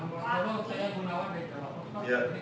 pak kalau saya mengunawar dari jawa pertama